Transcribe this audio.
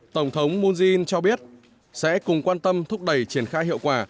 tổng thống moon jae in cho biết sẽ cùng quan tâm thúc đẩy triển khai hiệu quả